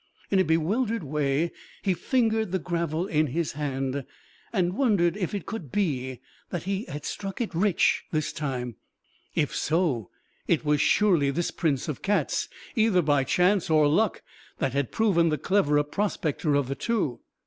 In a bewildered way he fingered the gravel in his hand, and wondered if it could be that he had "struck it rich" this time; if so, it was surely this prince of cats, either by chance or luck, that had proven the cleverer prospector of the two.